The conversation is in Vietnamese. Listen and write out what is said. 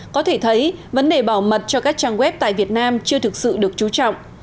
có thể thấy vấn đề bảo mật cho các trang web tại việt nam chưa thực sự được chú trọng